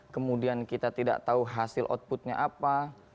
kemudian kita tidak tahu hasil outputnya apa